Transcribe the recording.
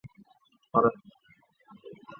宋敬舆人。